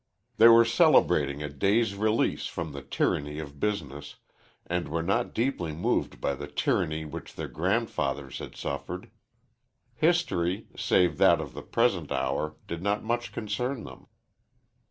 They were celebrating a day's release from the tyranny of Business, and were not deeply moved by the tyranny which their grandfathers had suffered. History, save that of the present hour, did not much concern them.